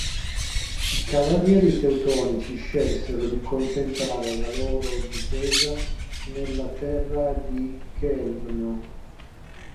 I Cavalieri Teutonici scelsero di concentrare la loro difesa nella terra di Chełmno.